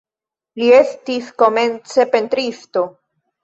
Li estis komence pentristo.